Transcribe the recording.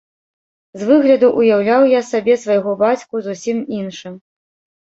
З выгляду ўяўляў я сабе свайго бацьку зусім іншым.